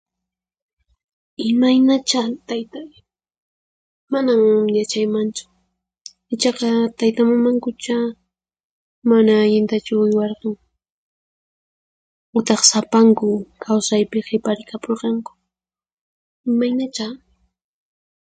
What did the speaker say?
Imaynachá taytay! Manan yachaymanchu, ichaqa tayta mamankuchá mana allintachu uywarqan, utaq sapanku kawsaypi qhiparikapurqanku; imaynachá.